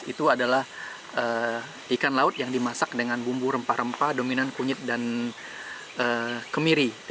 itu adalah ikan laut yang dimasak dengan bumbu rempah rempah dominan kunyit dan kemiri